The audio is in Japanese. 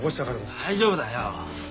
大丈夫だよ。